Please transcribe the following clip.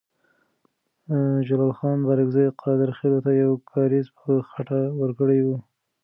جلال خان بارکزی قادرخیلو ته یو کارېز په خټه ورکړی وو.